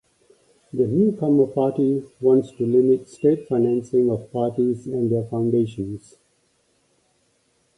The newcomer party wants to limit state financing of parties and their foundations.